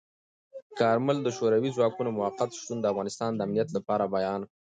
کارمل د شوروي ځواکونو موقت شتون د افغانستان د امنیت لپاره بیان کړ.